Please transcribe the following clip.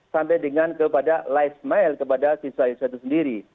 sampai dengan kepada live mile kepada siswa siswa itu sendiri